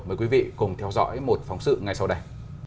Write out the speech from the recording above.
mời quý vị cùng theo dõi một phóng sự ngay sau đây